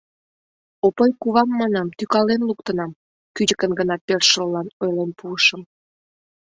Опой кувам, манам, тӱкален луктынам... — кӱчыкын гына першыллан ойлен пуышым.